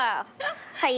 はい。